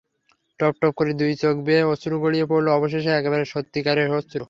টপটপ করে দুই চোখ বেয়ে অশ্রু গড়িয়ে পড়ল অবশেষে—একেবারে সত্যিকারের অশ্রু।